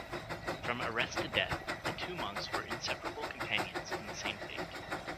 From arrest to death the two monks were inseparable companions in the same fate.